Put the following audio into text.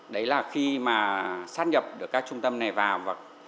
đấy là khi mà sát nhập được các trung tâm này vào